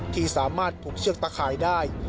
ที่สามารถผูกเชือกตะข่ายได้